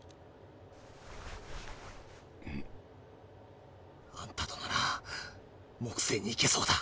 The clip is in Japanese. うん？あんたとなら木星に行けそうだ。